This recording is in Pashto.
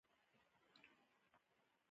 موټر له خلکو سره مرسته کوي.